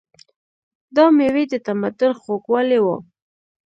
دا مېوې د تمدن خوږوالی و.